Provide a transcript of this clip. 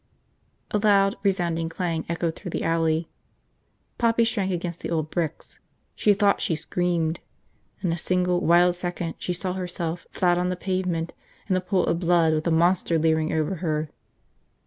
... A loud, resounding clang echoed through the alley. Poppy shrank against the old bricks. She thought she screamed. In a single wild second she saw herself flat on the pavement in a pool of blood with a monster leering over her.